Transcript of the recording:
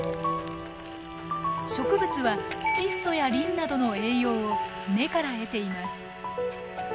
植物は窒素やリンなどの栄養を根から得ています。